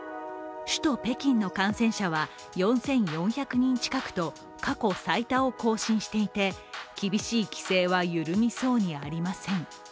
首都・北京の感染者は４４００人近くと過去最多を更新していて厳しい規制は緩みそうにありません。